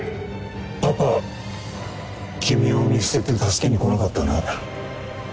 パパ君を見捨てて助けに来なかったね。